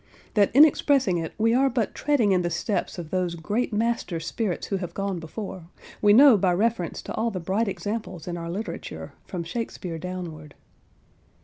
That in expressing it, we are but treading in the steps of those great master spirits who have gone before, we know by reference to all the bright examples in our literature, from Shakespeare downward.